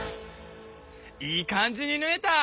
いい感じにぬえた！